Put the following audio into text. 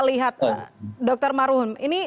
lihat dokter maruhun ini